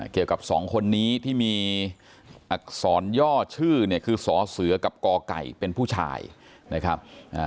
กับสองคนนี้ที่มีอักษรย่อชื่อเนี่ยคือสอเสือกับกไก่เป็นผู้ชายนะครับ